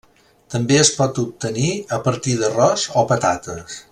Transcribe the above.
També es pot obtenir a partir d’arròs o patates.